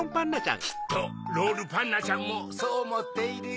きっとロールパンナちゃんもそうおもっているよ。